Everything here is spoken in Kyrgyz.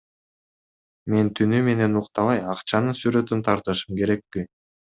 Мен түнү менен уктабай акчанын сүрөтүн тартышым керекпи?